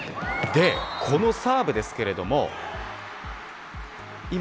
このサーブですけれども今。